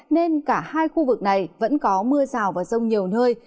nên cả hai khu vực này vẫn có mưa rào và rông nhiều nơi